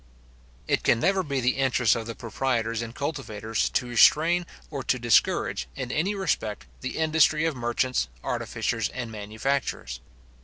It can never be the interest of the proprietors and cultivators, to restrain or to discourage, in any respect, the industry of merchants, artificers, and manufacturers.